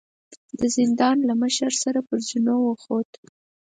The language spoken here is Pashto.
د زندان له مشر سره پر زينو وخوت.